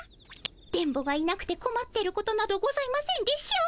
電ボがいなくてこまってることなどございませんでしょうか。